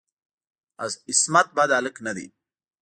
عصمت بد هلک نه دی.